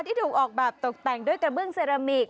ที่ถูกออกตกแต่งโดยกระเบื้องเซรามิค